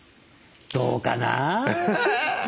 どうかな？